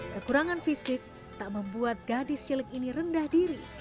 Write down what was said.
kekurangan fisik tak membuat gadis cilik ini rendah diri